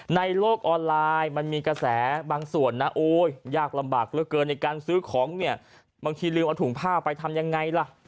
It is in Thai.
ในโลกออนไลน์มันมีกระแสบางส่วนนะโอ้ยยากลำบากเหลือเกินในการซื้อของเนี่ยบางทีลืมเอาถุงผ้าไปทำยังไงล่ะ